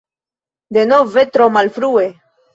Denove tro malfrue.